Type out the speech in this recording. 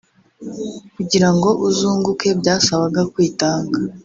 Kugira ngo uzunguke byasabaga kwitanga